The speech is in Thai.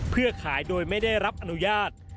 เพื่อขายโดยไม่ได้รับอนุญาต